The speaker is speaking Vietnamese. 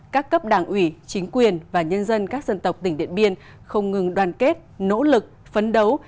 các cấp đảng ủy chính quyền và nhân dân các dân tộc tỉnh điện biên không ngừng đoàn kết nỗ lực phấn đấu